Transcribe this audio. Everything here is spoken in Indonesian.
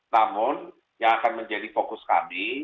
namun yang akan menjadi fokus kami